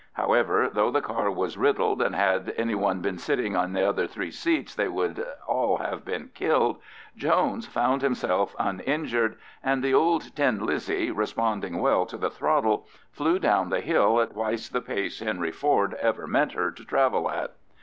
However, though the car was riddled, and had any one been sitting in the other three seats they would all have been killed, Jones found himself uninjured, and the old "tin Lizzie," responding well to the throttle, flew down the hill at twice the pace Henry Ford ever meant her to travel at.